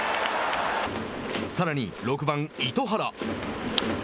さらに、６番糸原。